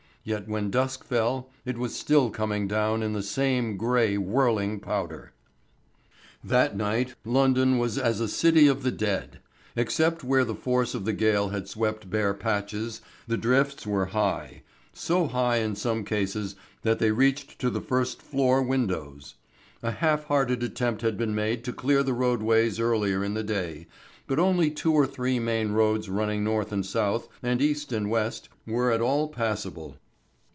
Yet when dusk fell it was still coming down in the same grey whirling powder. That night London was as a city of the dead. Except where the force of the gale had swept bare patches, the drifts were high so high in some cases that they reached to the first floor windows. A half hearted attempt had been made to clear the roadways earlier in the day, but only two or three main roads running north and south, and east and west were at all passable.